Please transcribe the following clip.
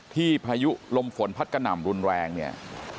พายุลมฝนพัดกระหน่ำรุนแรงเนี่ย